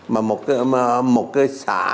mà một cái xã